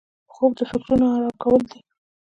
خوب د فکرونو آرام کول دي